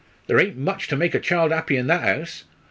There ain't much to make a child 'appy in that 'ouse.